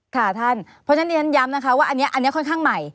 ค่ะท่านเพราะฉะนั้นท่านย้ำนะคะว่าอันเนี้ยอันเนี้ยค่อนข้างใหม่